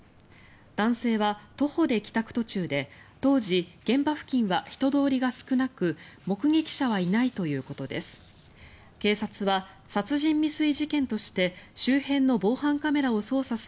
男性は徒歩で帰宅途中で当時、現場付近は人通りが少なく目撃者はいないということです。